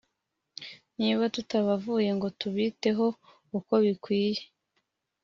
niba tutabavuye ngo tubiteho uko bikwiriye